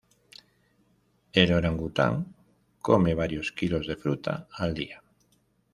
El orangután come varios kilos de fruta al día.